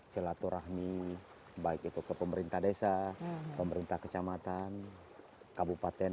silaturahmi baik itu ke pemerintah desa pemerintah kecamatan kabupaten